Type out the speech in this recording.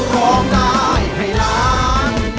ร้องได้ให้ล้าน